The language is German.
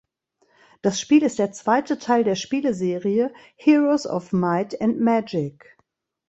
Das Spiel ist der zweite Teil der Spieleserie "Heroes of Might and Magic".